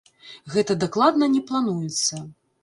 Гэта дакладна не плануецца.